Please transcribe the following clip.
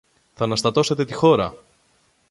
Θ' αναστατώσετε τη χώρα!